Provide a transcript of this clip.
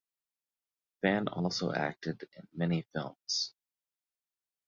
Fan also acted in many films.